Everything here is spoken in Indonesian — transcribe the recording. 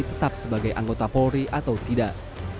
tetap sebagai anggota polri atau tidak